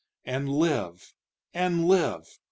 And live! and live!